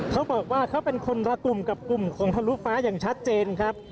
เขาบอกว่าเขาเป็นคนละกลุ่มกับกลุ่มของทะลุฟ้าอย่างชัดเจนครับ